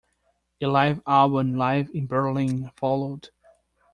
A live album, "Live in Berlin", followed.